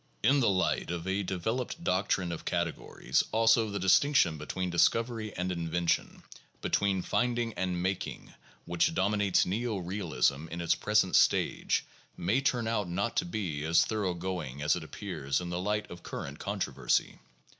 In the light of a developed doctrine of categories, also, the distinc tion between discovery and invention, between finding and making, which dominates neo realism in its present stage, may turn out not to be as thoroughgoing as it appears in the light of current contro versy.